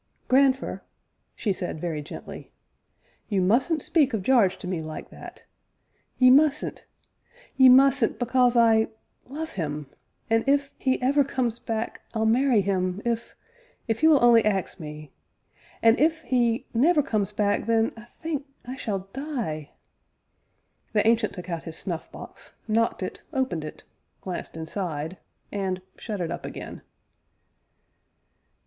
"Grandfer," she said very gently, "you mustn't speak of Jarge to me like that ye mustn't ye mustn't because I love him, and if he ever comes back I'll marry him if if he will only ax me; and if he never comes back, then I think I shall die!" The Ancient took out his snuff box, knocked it, opened it, glanced inside, and shut it up again.